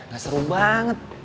gak seru banget